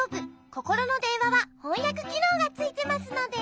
ココロのでんわはほんやくきのうがついてますので。